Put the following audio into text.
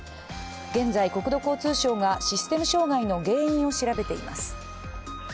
現在、国土交通省がシステム障害の原因を調べています。